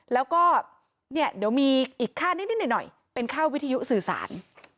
แล้วก็เนี่ยเดี๋ยวมีอีกค่านิดหน่อยเป็นค่าวิทยุสื่อสาร